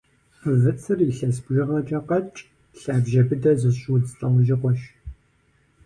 Выцыр илъэс бжыгъэкӏэ къэкӏ, лъабжьэ быдэ зыщӏ удз лӏэужьыгъуэщ.